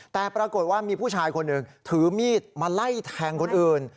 แต่ปรากฏว่ามีผู้ชายคนหนึ่งถือมีดมาไล่แทงคนอื่น